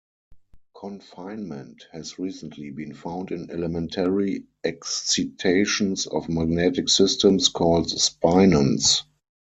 Confinement has recently been found in elementary excitations of magnetic systems called spinons.